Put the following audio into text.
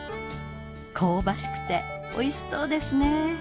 香ばしくておいしそうですね。